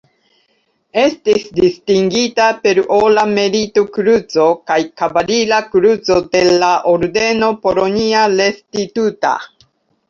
Estis distingita per Ora Merit-Kruco kaj Kavalira Kruco de la Ordeno Polonia Restituta.